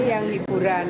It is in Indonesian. ini yang hiburan